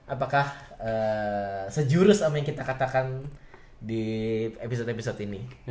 apakah sejurus sama yang kita katakan di episode episode ini